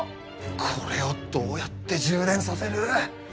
これをどうやって充電させる？